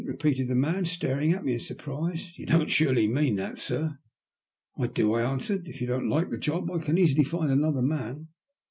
repeated the man, staring at me in surprise. *'You don't surely mean that, sir?" " I do," I answered. " If you don't like the job I can easily find another man."